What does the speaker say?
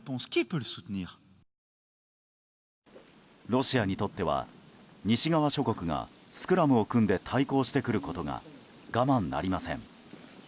ロシアにとっては西側諸国がスクラムを組んで対抗してくることが我慢なりません。